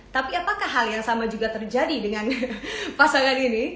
tapi apakah hal yang sama juga terjadi dengan pasangan ini